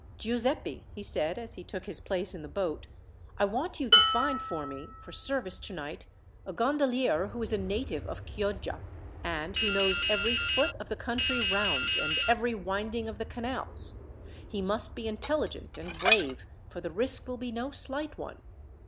"Giuseppi," he said, as he took his place in the boat, "I want you to find for me, for service tonight, a gondolier who is a native of Chioggia, and who knows every foot of the country round, and every winding of the canals. He must be intelligent and brave, for the risk will be no slight one."